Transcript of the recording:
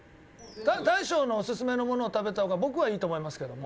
大将のオススメのものを食べた方が僕は、いいと思いますけども。